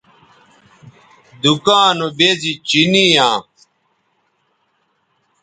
دکاں نو بیزی چینی یاں